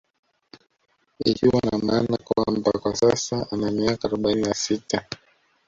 Ikiwa na maana kwamba kwa sasa ana miaka arobaini na sita